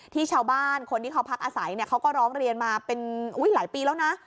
ชาวบ้านคนที่เขาพักอาศัยเขาก็ร้องเรียนมาเป็นหลายปีแล้วนะ